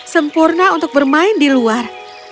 sempurna untuk bermain di luar